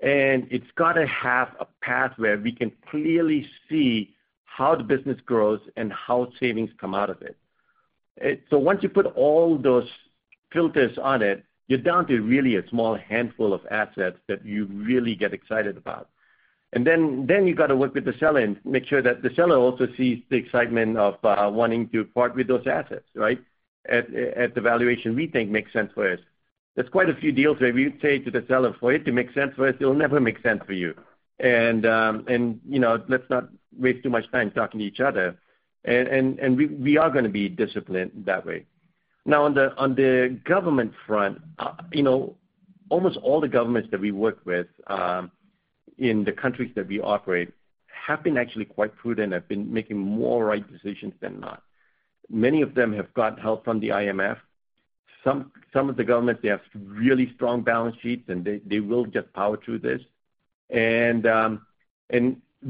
It's got to have a path where we can clearly see how the business grows and how savings come out of it. Once you put all those filters on it, you're down to really a small handful of assets that you really get excited about. Then you've got to work with the seller and make sure that the seller also sees the excitement of wanting to part with those assets, right? At the valuation we think makes sense for us. There's quite a few deals where we would say to the seller, "For it to make sense for us, it'll never make sense for you. Let's not waste too much time talking to each other." We are going to be disciplined that way. Now on the government front, almost all the governments that we work with in the countries that we operate have been actually quite prudent, have been making more right decisions than not. Many of them have got help from the IMF. Some of the governments, they have really strong balance sheets, and they will just power through this.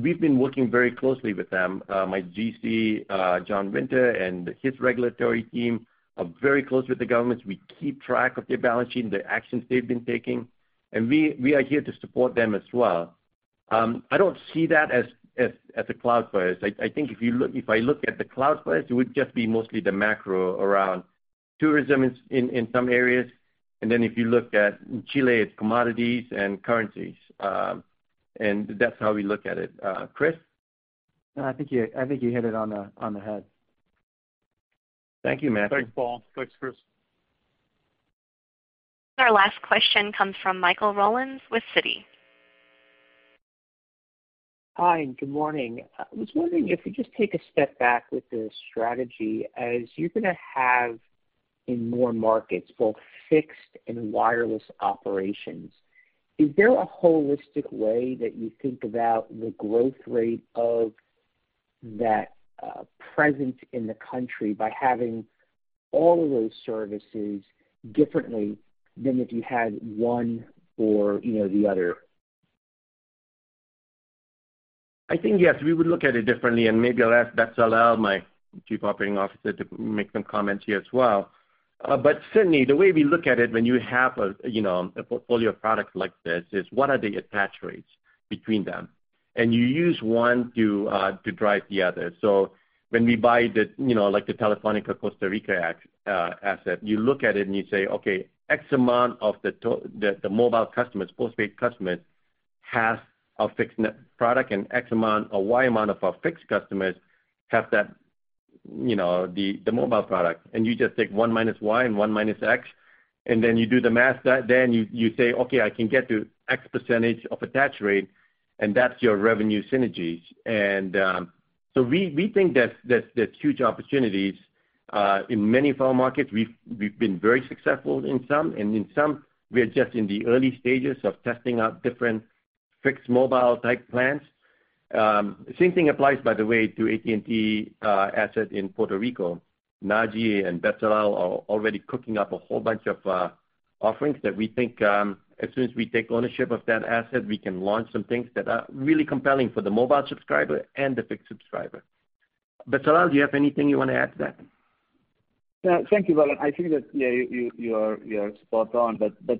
We've been working very closely with them. My GC, John Winter, and his regulatory team are very close with the governments. We keep track of their balance sheet and the actions they've been taking, and we are here to support them as well. I don't see that as a cloud for us. I think if I look at the cloud for us, it would just be mostly the macro around tourism in some areas. Then if you look at Chile, it's commodities and currencies. That's how we look at it. Chris? No, I think you hit it on the head. Thank you, Matthew. Thanks, Balan. Thanks, Chris. Our last question comes from Michael Rollins with Citi. Hi, and good morning. I was wondering if you just take a step back with the strategy, as you're going to have in more markets, both fixed and wireless operations. Is there a holistic way that you think about the growth rate of that presence in the country by having all of those services differently than if you had one or the other? I think yes, we would look at it differently and maybe I'll ask Betzalel, my Chief Operating Officer, to make some comments here as well. Certainly, the way we look at it when you have a portfolio of products like this is what are the attach rates between them? You use one to drive the other. When we buy the Telefónica Costa Rica asset, you look at it and you say, "Okay, X amount of the mobile customers, postpaid customers, have a fixed net product, and Y amount of our fixed customers have the mobile product." You just take one minus Y and one minus X, then you do the math. You say, "Okay, I can get to X% of attach rate," that's your revenue synergies. We think there's huge opportunities. In many of our markets, we've been very successful in some, and in some, we are just in the early stages of testing out different fixed mobile type plans. Same thing applies, by the way, to AT&T asset in Puerto Rico. Naji and Betzalel are already cooking up a whole bunch of offerings that we think as soon as we take ownership of that asset, we can launch some things that are really compelling for the mobile subscriber and the fixed subscriber. Betzalel, do you have anything you want to add to that? Thank you, Balan. I think that, yeah, you are spot on.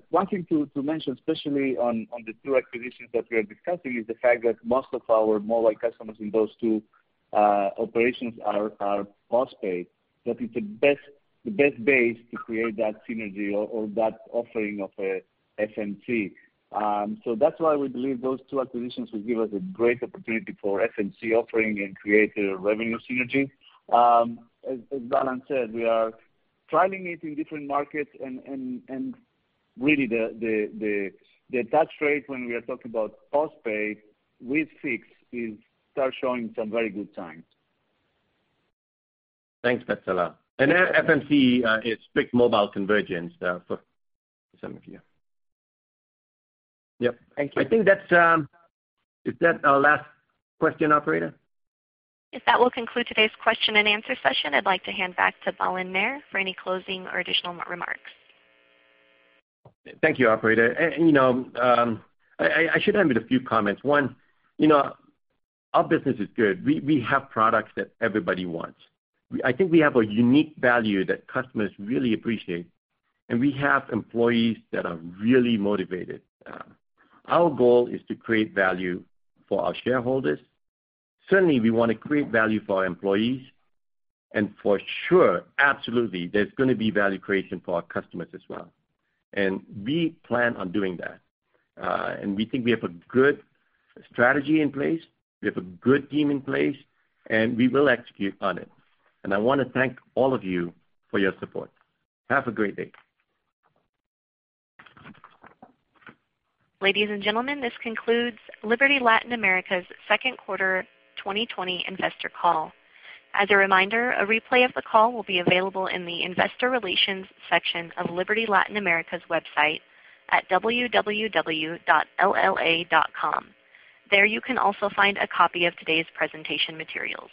One thing to mention, especially on the two acquisitions that we are discussing, is the fact that most of our mobile customers in those two operations are postpaid. That is the best base to create that synergy or that offering of a FMC. That's why we believe those two acquisitions will give us a great opportunity for FMC offering and create a revenue synergy. As Balan said, we are trialing it in different markets and really the attach rate when we are talking about postpaid with fixed is start showing some very good signs. Thanks, Betzalel. FMC is fixed mobile convergence for some of you. Yep. Thank you. Is that our last question, operator? Yes, that will conclude today's question and answer session. I'd like to hand back to Balan Nair for any closing or additional remarks. Thank you, operator. I should end with a few comments. One, our business is good. We have products that everybody wants. I think we have a unique value that customers really appreciate, and we have employees that are really motivated. Our goal is to create value for our shareholders. Certainly, we want to create value for our employees, and for sure, absolutely, there's going to be value creation for our customers as well. We plan on doing that. We think we have a good strategy in place, we have a good team in place, and we will execute on it. I want to thank all of you for your support. Have a great day. Ladies and gentlemen, this concludes Liberty Latin America's second quarter 2020 investor call. As a reminder, a replay of the call will be available in the investor relations section of Liberty Latin America's website at www.lla.com. There you can also find a copy of today's presentation materials.